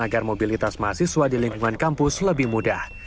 agar mobilitas mahasiswa di lingkungan kampus lebih mudah